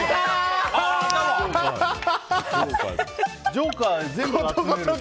ジョーカー全部集めるという。